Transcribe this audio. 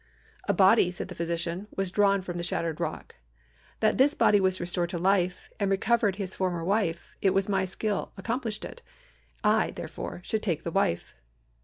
"'A body,' said the physician, 'was drawn from out of the shattered rock. That this body was restored to life, and recovered his former wife, it was my skill accomplished it. I, therefore, should take the wife.'